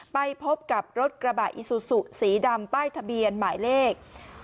ไปพบกับรถกระบะอิซูซูสีดำป้ายทะเบียนหมายเลข